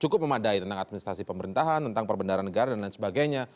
cukup memadai tentang administrasi pemerintahan tentang perbendara negara dan lain sebagainya